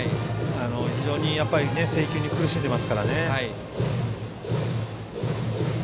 制球に苦しんでいますからね。